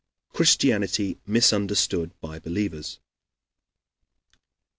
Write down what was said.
CHRISTIANITY MISUNDERSTOOD BY BELIEVERS.